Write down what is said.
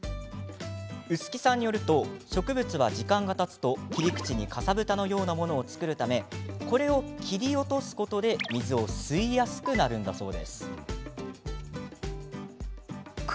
薄木さんによると植物は時間がたつと切り口にかさぶたのようなものを作るためこれを切り落とすことで水を吸いやすくなるんだそう。